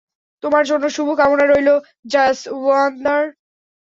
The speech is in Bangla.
তোমার জন্য শুভকামনা রইল জাশয়োন্দার।